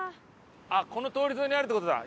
この通り沿いにあるって事だ。